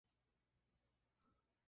Fue dirigente de la Juventud Socialista.